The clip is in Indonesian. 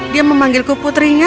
dia memanggilku putrinya